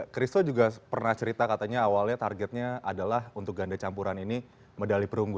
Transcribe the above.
christo juga pernah cerita katanya awalnya targetnya adalah untuk ganda campuran ini medali perunggu